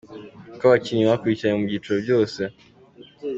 Uko abakinnyi bakurikiranye mu byiciro byose.